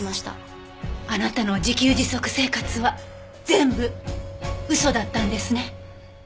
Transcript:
あなたの自給自足生活は全部嘘だったんですね。